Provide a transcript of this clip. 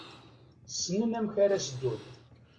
Ssnen amek ara s-ddun.